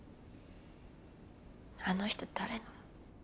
あの人誰なの？